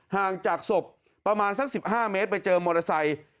ห่างจากศพประมาณสัก๑๕เมตรไปเจอมอเตอร์ไซค์